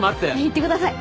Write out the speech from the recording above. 行ってください。